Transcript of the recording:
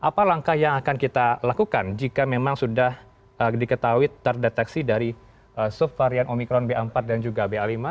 apa langkah yang akan kita lakukan jika memang sudah diketahui terdeteksi dari subvarian omikron ba empat dan juga ba lima